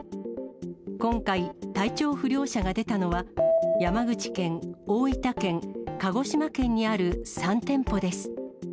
今回、体調不良者が出たのは、山口県、大分県、鹿児島県にある３店舗です。